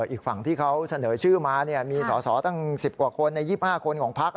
อีกฝั่งที่เขาเสนอชื่อมามีสอสอตั้ง๑๐กว่าคนใน๒๕คนของพัก